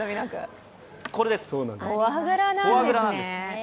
これです、フォアグラなんです。